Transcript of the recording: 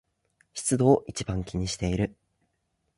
湿度を一番気にしている